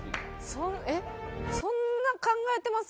えっそんな考えてます？